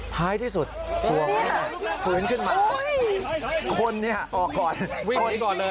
ท้ายที่สุดตัวแม่ฟื้นขึ้นมาคนนี้ออกก่อนวิ่งหนีก่อนเลย